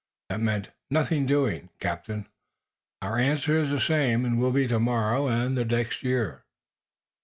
That meant 'nothing doing,' Captain. Our answer is the same, and will be, to morrow and the next year."